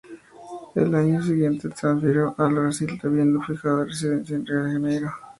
El año siguiente se transfirió al Brasil, habiendo fijado residencia en Río de Janeiro.